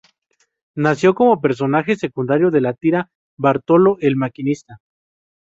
Nació como un personaje secundario de la tira Bartolo el maquinista.